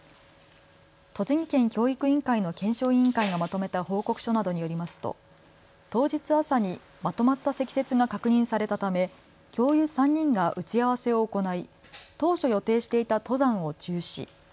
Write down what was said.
栃木県教育委員会の検証委員会がまとめた報告書などによりますと当日朝にまとまった積雪が確認されたため教諭３人が打ち合わせを行い当初予定していた登山を中止。